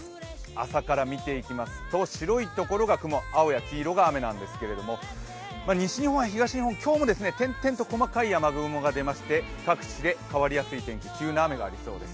朝から見ていきますと白いところが雲、青や黄色が雨なんですけれども、西日本や東日本は、今日も点々と細かい雨雲が出まして各地で変わりやすい天気急な雨がありそうです。